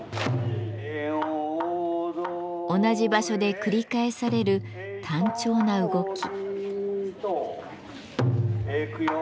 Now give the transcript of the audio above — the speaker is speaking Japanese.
同じ場所で繰り返される単調な動き。